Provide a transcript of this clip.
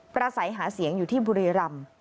สัยหาเสียงอยู่ที่บุรีรำ